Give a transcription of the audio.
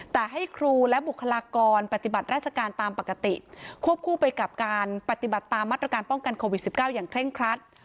แต่ให้ครูและบุคลากรปฏิบัติราชการตามปกติควบคู่ไปกับการปฏิบัติตามมาตรการป้องกันโควิด๑๙อย่างเคร่งครัด